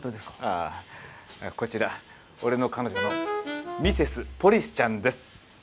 あこちら俺の彼女のミセス・ポリスちゃんです。